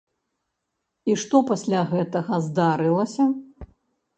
І што пасля гэтага здарылася?